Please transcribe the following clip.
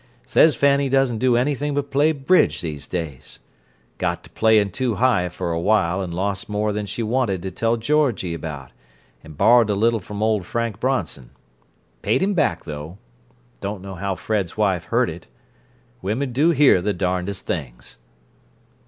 Says Fanny doesn't do anything but play bridge these days. Got to playing too high for awhile and lost more than she wanted to tell Georgie about, and borrowed a little from old Frank Bronson. Paid him back, though. Don't know how Fred's wife heard it. Women do hear the darndest things!"